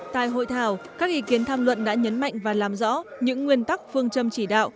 tại hội thảo các ý kiến tham luận đã nhấn mạnh và làm rõ những nguyên tắc phương châm chỉ đạo